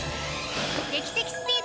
劇的スピード！